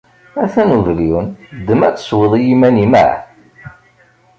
Ha-t-an ubelyun, ddem ad tesweḍ i yiman-im ah!